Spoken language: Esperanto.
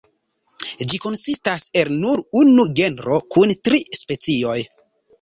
Ĝi konsistas el nur unu genro kun tri specioj.